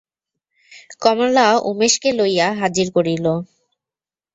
কমলা উমেশকে লইয়া হাজির করিল।